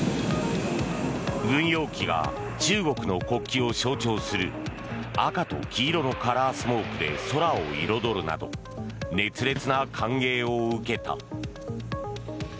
軍用機が中国の国旗を象徴する赤と黄色のカラースモークで空を彩るなど熱烈な歓迎を受けた。